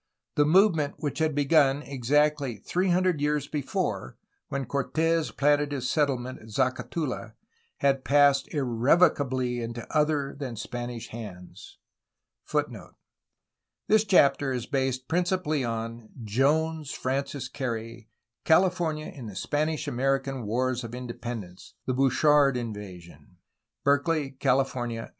The movement which had begun exactly three hundred years before, when Cortes planted his settlement at Zacatula, had passed irrevocably into other than Spanish hands. ^' This chapter is based principally on: Jones, Frances Carey. California in the Spanish American wars of independence: the Bouchard in vasion. Berkeley, Cahfornia.